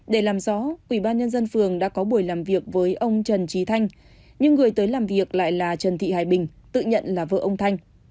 để làm rõ ubnd phường đã có buổi làm việc với ông trần trí thanh nhưng người tới làm việc lại là trần thị hải bình tự nhận là vợ ông thanh